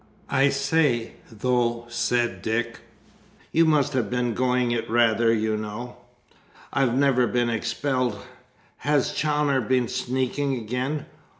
"I say, though," said Dick, "you must have been going it rather, you know. I've never been expelled. Has Chawner been sneaking again?